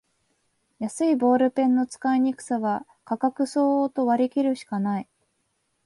安いボールペンの使いにくさは価格相応と割りきるしかない